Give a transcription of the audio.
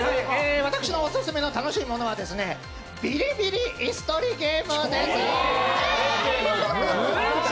私のオススメの楽しいものは「ビリビリイス取りゲーム」です。